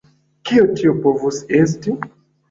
Kio tio povus esti?